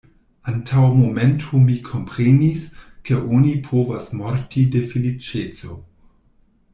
Antaŭ momento mi komprenis, ke oni povas morti de feliĉeco.